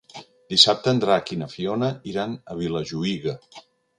Dissabte en Drac i na Fiona iran a Vilajuïga.